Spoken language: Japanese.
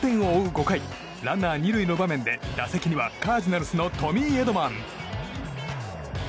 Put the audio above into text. ５回ランナー２塁の場面で打席にはカージナルスのトミー・エドマン。